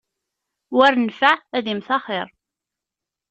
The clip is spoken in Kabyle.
War nnfeɛ ad immet axiṛ.